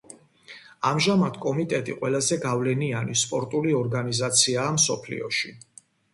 ამჟამად კომიტეტი ყველაზე გავლენიანი სპორტული ორგანიზაციაა მსოფლიოში.